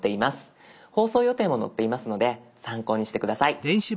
放送予定も載っていますので参考にして下さい。